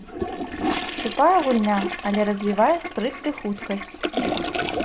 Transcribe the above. Тупая гульня, але развівае спрыт ды хуткасць.